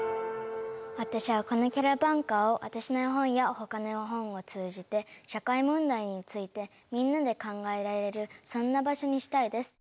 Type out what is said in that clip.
私はこのキャラバンカーを私の絵本や他の絵本を通じて社会問題についてみんなで考えられるそんな場所にしたいです。